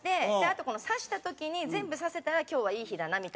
あとこの刺した時に全部刺せたら今日はいい日だなみたいな。